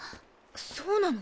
そうなの？